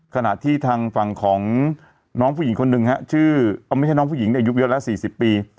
ขณะที่ทางฝั่งของน้องผู้หญิงคนหนึ่งฮะชื่อไม่ใช่น้องผู้หญิงอายุเยอะแล้ว๔๐ปี